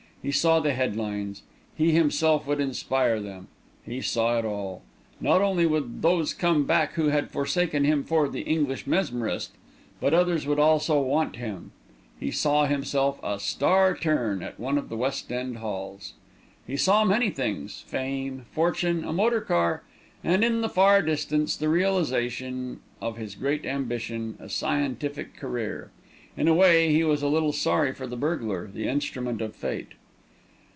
He saw the headlines. He himself would inspire them. He saw it all. Not only would those come back who had forsaken him for "the English Mesmerist," but others also would want him. He saw himself a "star turn" at one of the West end halls. He saw many things: fame, fortune, a motor car, and, in the far distance, the realisation of his great ambition, a scientific career. In a way he was a little sorry for the burglar, the instrument of fate.